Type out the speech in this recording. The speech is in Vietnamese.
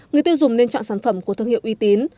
người tiêu dùng nên chọn sản phẩm của thương hiệu uy tín